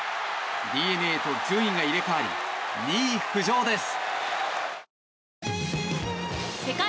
ＤｅＮＡと順位が入れ替わり２位浮上です。